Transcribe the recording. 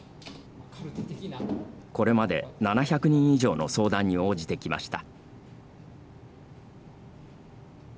これまで７００人以上の相談に応じてきました。